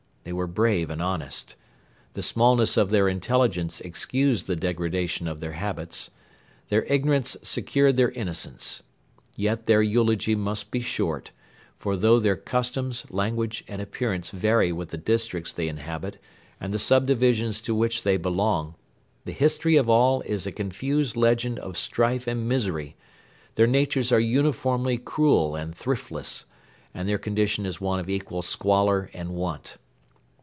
They were brave and honest. The smallness of their intelligence excused the degradation of their habits. Their ignorance secured their innocence. Yet their eulogy must be short, for though their customs, language, and appearance vary with the districts they inhabit and the subdivisions to which they belong, the history of all is a confused legend of strife and misery, their natures are uniformly cruel and thriftless, and their condition is one of equal squalor and want.